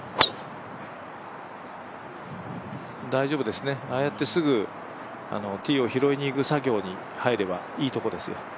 大丈夫ですね、ああやってすぐティーを拾いに行く作業に入ればいいところですよ。